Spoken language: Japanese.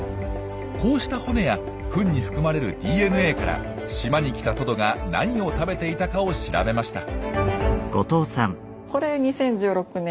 こうした骨やフンに含まれるＤＮＡから島に来たトドが何を食べていたかを調べました。